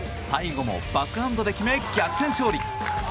最後もバックハンドで決め逆転勝利。